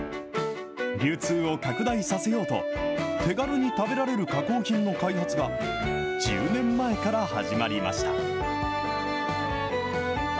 流通を拡大させようと、手軽に食べられる加工品の開発が、１０年前から始まりました。